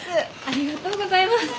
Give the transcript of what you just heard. ありがとうございます。